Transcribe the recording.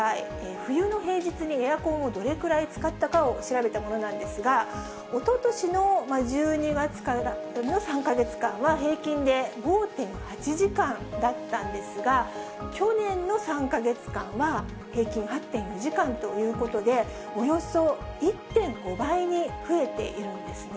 冬の平日にエアコンをどれくらい使ったかを調べたものなんですが、おととしの１２月からの３か月間は、平均で５．８時間だったんですが、去年の３か月間は平均８．４時間ということで、およそ１．５倍に増えているんですね。